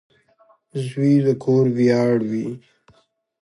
• زوی د کور ویاړ وي.